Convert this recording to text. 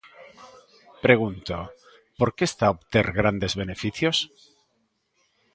Pregunto, porque está a obter grandes beneficios.